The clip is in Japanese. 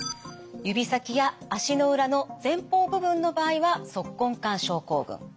指先や足の裏の前方部分の場合は足根管症候群。